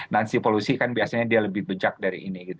nancy pelosi kan biasanya dia lebih becak dari ini